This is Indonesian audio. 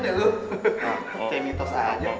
kayak mitos aja